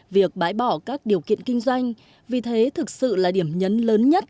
việc bãi bỏ các điều kiện kinh doanh vì thế thực sự là điểm nhấn lớn nhất